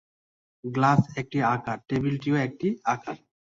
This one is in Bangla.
গ্লাস একটি আকার, টেবিলটিও একটি আকার।